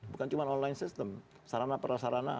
bukan cuma online system sarana perasarana